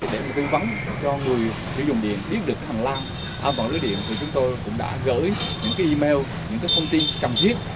để tư vấn cho người sử dụng điện biết được hành lang an toàn lưới điện thì chúng tôi cũng đã gửi những email những thông tin cần thiết